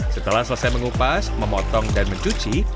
setelah selesai mengupas memotong dan mencuci